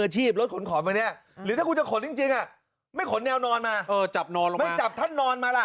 หรือถ้าคุณจะขนจริงอ่ะไม่ขนแนวนอนมาไม่จับท่านนอนมาล่ะ